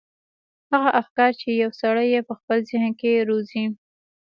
هغه افکار چې يو سړی يې په خپل ذهن کې روزي.